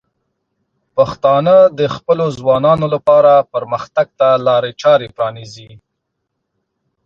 پښتانه د خپلو ځوانانو لپاره پرمختګ ته لارې چارې پرانیزي.